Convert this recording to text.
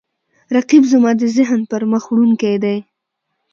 رقیب زما د ذهن پرمخ وړونکی دی